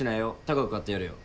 高く買ってやるよ。